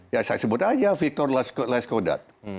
ya saya sebut aja victor laskodat